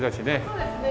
そうですね。